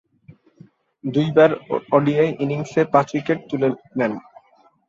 দুইবার ওডিআই ইনিংসে পাঁচ উইকেট তুলেনেন।